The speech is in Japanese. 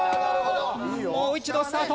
もう一度スタート。